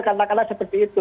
karena kala seperti itu